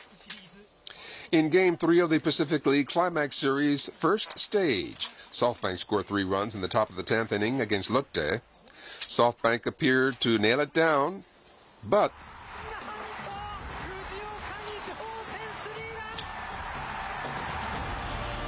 なんと、藤岡に同点スリーラン。